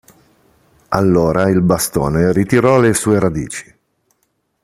Allora il bastone ritirò le sue radici.